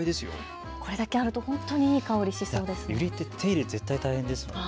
これだけあると本当にいい香りしそうですね。